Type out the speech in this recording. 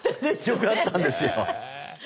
よかったんですよ。